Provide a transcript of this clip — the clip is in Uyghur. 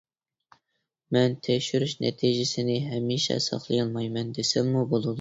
مەن تەكشۈرۈش نەتىجىسىنى ھەمىشە ساقلىيالمايمەن دېسەممۇ بولىدۇ.